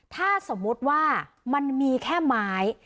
ถ้าสมมุติว่ามันมีแค่ไม้